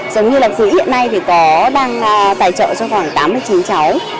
giống như là phía hiện nay thì có đang tài trợ cho khoảng tám mươi chín cháu